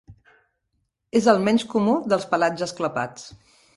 És el menys comú dels pelatges clapats.